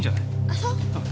あっそう？